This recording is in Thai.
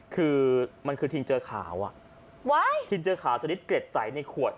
คือมันคือทิงเจอขาวอ่ะทินเจอขาวชนิดเกร็ดใสในขวด